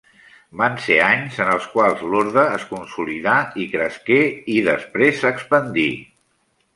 Van ser anys en els quals l'orde es consolidà i cresqué i després s'expandí.